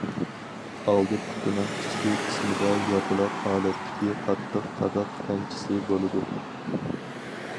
ئالدى پۇتىنىڭ ئىچكى قىسمىدا ياپىلاق ھالەتتىكى قاتتىق قاداق تەنچىسى بولىدۇ.